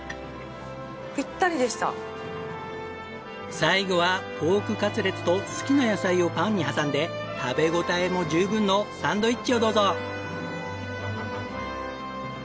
最後はポークカツレツと好きな野菜をパンに挟んで食べ応えも十分のサンドイッチをどうぞ！